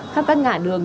khắp các ngã đường